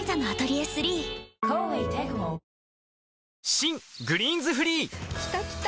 新「グリーンズフリー」きたきた！